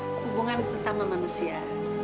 dan hubungan sesama manusia